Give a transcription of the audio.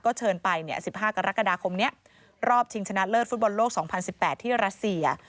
เชิญไป๑๕กรกฎาคมนี้รอบชิงชนะเลิศฟุตบอลโลก๒๐๑๘ที่รัสเซีย